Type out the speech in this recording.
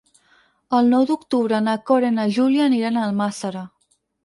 El nou d'octubre na Cora i na Júlia aniran a Almàssera.